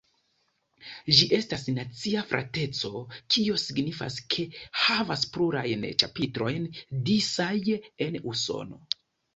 Ĝi estas nacia frateco, kio signifas ke havas plurajn ĉapitrojn disaj en Usono.